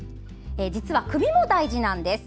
実は首も大事なんです。